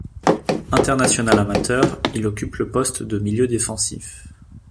International amateur, il occupe le poste de milieu défensif.